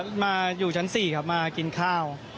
ใช่ครับมาอยู่ชั้น๔ครับมากินข้าว